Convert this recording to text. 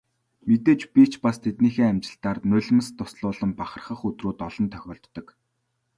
Мэдээж би ч бас тэднийхээ амжилтаар нулимс дуслуулан бахархах өдрүүд олон тохиолддог.